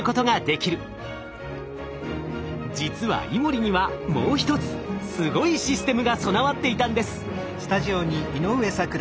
実はイモリにはもう一つすごいシステムが備わっていたんです。